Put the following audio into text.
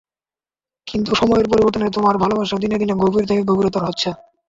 কিন্তু সময়ের পরিবর্তনে তোমার ভালোবাসা দিনে দিনে গভীর থেকে গভীরতর হচ্ছে।